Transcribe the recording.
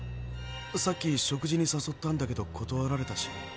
さっき食事にさそったんだけど断られたし。